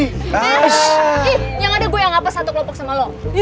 ih yang ada gue yang ngapas satu kelompok sama lo